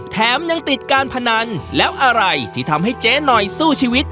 แถมยังติดการพนันแล้วอะไรที่ทำให้เจ๊หน่อยสู้ชีวิต